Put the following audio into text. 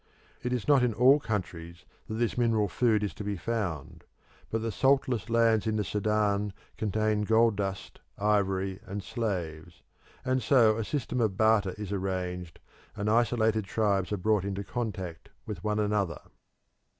It is not in all countries that this mineral food is to be found, but the saltless lands in the Sudan contain gold dust, ivory, and slaves, and so a system of barter is arranged, and isolated tribes are brought into contact with one another.